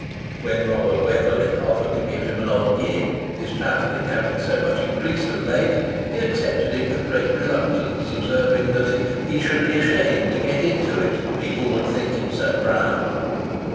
When Robert Whetherly offered to give him an old gig, his travelling having so much increased of late, he accepted it with great reluctance, observing, that he should be ashamed to get into it, "people would think him so proud."